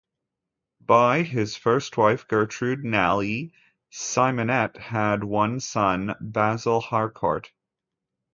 By his first wife Gertrude Nellie, Symonette had one son, Basil Harcourt.